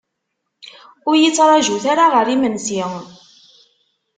Ur yi-ttrajut ara ɣer imensi.